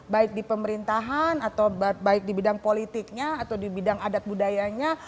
baik di pemerintahan atau baik di bidang politiknya atau di bidang adat budayanya